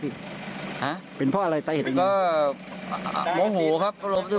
คระเป็นเพราะอะไรใต้เหตุตังนี้